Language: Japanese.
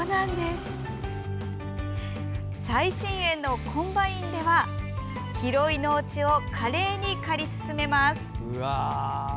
最新鋭のコンバインでは広い農地を華麗に刈り進めます。